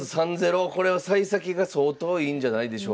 これはさい先が相当いいんじゃないでしょうか。